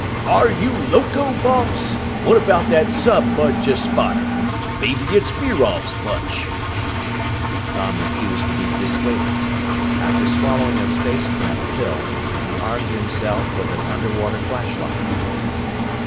"Are you loco, boss? What about that sub Bud just spotted? Mebbe it's Mirov's bunch!" Tom refused to be dissuaded. After swallowing a space plant pill, he armed himself with an underwater flashlight.